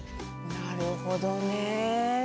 なるほどね。